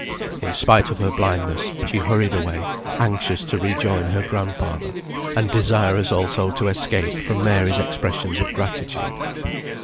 In spite of her blindness she hurried away, anxious to rejoin her grandfather, and desirous also to escape from Mary's expressions of gratitude.